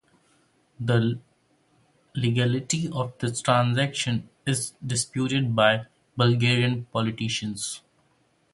The legality of this transaction is disputed by Bulgarian politicians.